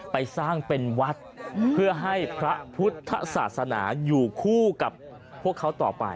ไปสร้างเป็นวัดเพื่อให้พระพุทธศาสนาอยู่คู่กับพวกเขาต่อไป